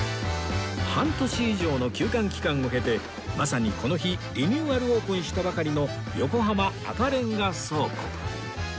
半年以上の休館期間を経てまさにこの日リニューアルオープンしたばかりの横浜赤レンガ倉庫